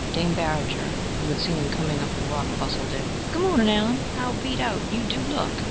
Dame Barringer, who had seen him coming up the walk, bustled in: "Good morning, Allen. How beat out you do look!